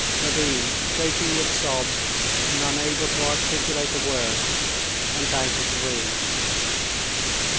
Levin, shaking with sobs and unable to articulate a word, went out of the room.